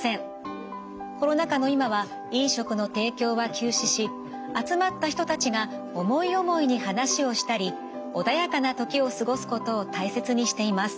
コロナ禍の今は飲食の提供は休止し集まった人たちが思い思いに話をしたり穏やかな時を過ごすことを大切にしています。